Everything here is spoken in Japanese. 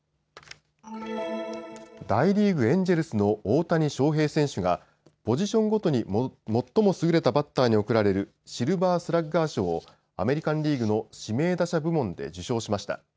大リーグ、エンジェルスの大谷翔平選手がポジションごとに最も優れたバッターに贈られるシルバースラッガー賞をアメリカンリーグの指名打者部門で受賞しました。